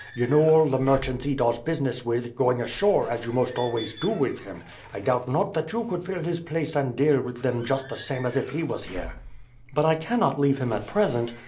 You know all the merchants he does business with, going ashore, as you most always do with him; I doubt not that you could fill his place and deal with them just the same as if he was here." "But I cannot leave him at present."